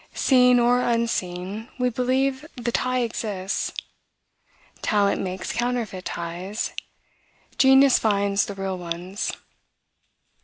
Seen or unseen, we believe the tie exists. Talent makes counterfeit ties; genius finds the real ones.